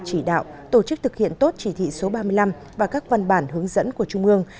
chỉ đạo tổ chức thực hiện tốt chỉ thị số ba mươi năm và các văn bản hướng dẫn của trung ương